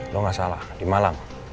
lo gak salah di malang